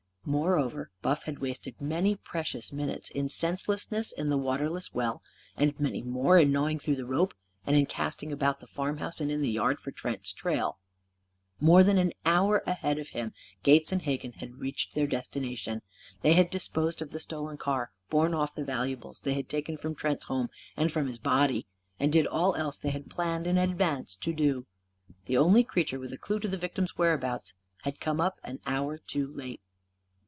Moreover, Buff had wasted many precious minutes in senselessness, in the waterless well, and many more in gnawing through the rope, and in casting about the farmhouse and in the yard for Trent's trail. More than an hour ahead of him, Gates and Hegan had reached their destination. They had disposed of the stolen car, borne off the valuables they had taken from Trent's home and from his body, and did all else they had planned in advance to do. The only creature with a clue to the victim's whereabouts had come up an hour too late.